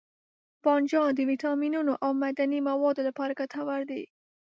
بانجان د ویټامینونو او معدني موادو لپاره ګټور دی.